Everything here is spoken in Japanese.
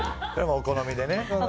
お好みでね。